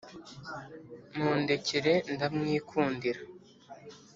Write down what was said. Mundekere ndamwikundira